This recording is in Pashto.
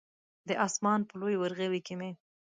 د اسمان په لوی ورغوي کې مې